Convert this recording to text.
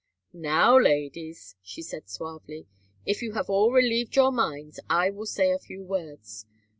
"Now, ladies," she said, suavely, "if you have all relieved your minds I will say a few words.